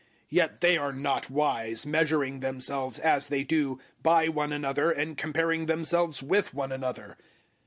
Yet they are not wise, measuring themselves, as they do, by one another and comparing themselves with one another.